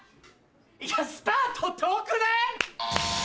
いやスタート遠くない？